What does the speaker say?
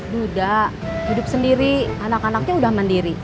buddha hidup sendiri anak anaknya udah mandiri